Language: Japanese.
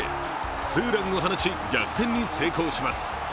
ツーランを放ち逆転に成功します。